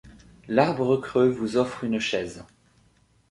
L'arbre creux vous offre une chaise ;